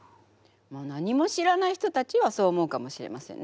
何も知らない人たちはそう思うかもしれませんね。